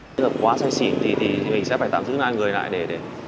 bây giờ quá say xỉn thì mình sẽ phải tạm giữ hai người lại để